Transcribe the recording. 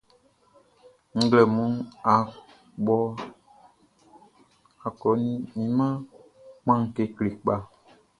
Nglɛmunʼn, akɔɲinmanʼn kpan kekle kpa.